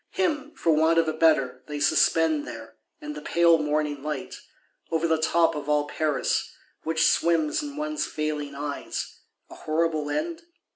Him, for want of a better, they suspend there; in the pale morning light; over the top of all Paris, which swims in one's failing eyes:—a horrible end?